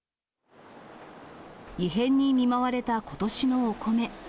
異変に見舞われたことしのお米。